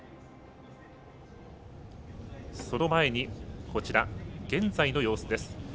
その前に、現在の様子です。